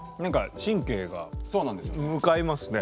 神経が向かいますね。